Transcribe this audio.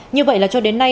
như vậy là cho đến nay